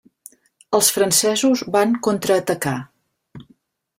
Els francesos van contraatacar.